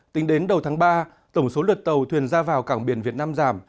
tính đến đầu tháng ba tổng số lượt tàu thuyền ra vào cảng biển việt nam giảm